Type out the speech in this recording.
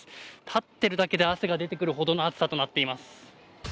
立ってるだけで汗が出てくるほどの暑さとなっています。